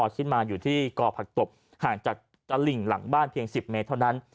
ขึ้นมาอยู่ที่ก่อผักตบห่างจากตลิ่งหลังบ้านเพียง๑๐เมตรเท่านั้น